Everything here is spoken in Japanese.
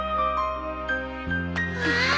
うわ。